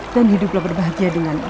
dan hiduplah berbahagia dengan aku